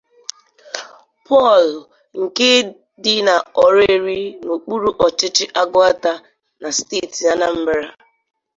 Paul nke dị n'Ọraeri n'okpuru ọchịchị Agụata na steeti Anambra